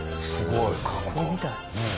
加工みたい。